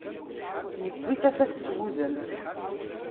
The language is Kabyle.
Iwwi tafat s wudem.